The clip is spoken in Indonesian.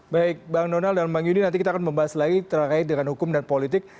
baik bang donal dan bang yudi nanti kita akan membahas lagi terkait dengan hukum dan politik